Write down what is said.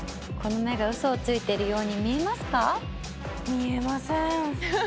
見えません。